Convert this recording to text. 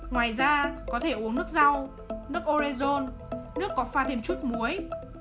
ngoài ra có thể uống nước rau nước orezon nước có pha thêm chút muối